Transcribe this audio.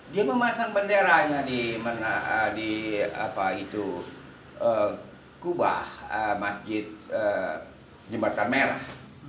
dia memasang benderanya di kubah masjid jembatan merah